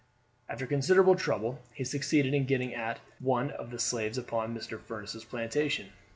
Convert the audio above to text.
After considerable trouble he succeeded in getting at one of the slaves upon Mr. Furniss' plantation.